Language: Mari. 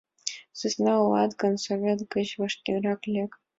Сӧсна улат гын, Совет гыч вашкерак лек!